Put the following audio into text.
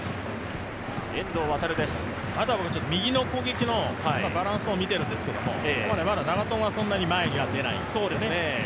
右の攻撃のバランスを見ているんですけど、ここまで長友はそんなに前には出ないんですよね。